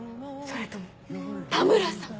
それとも「田村さん」？